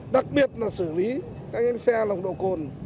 đặc biệt là xử lý các xe nồng độ cồn